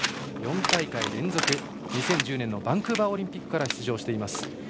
４大会連続、２０１０年のバンクーバーオリンピックから出場しています。